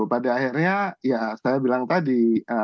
pada akhirnya ya saya bilang tadi